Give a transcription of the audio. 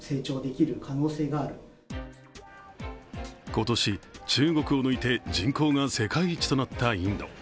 今年、中国を抜いて人口が世界一となったインド。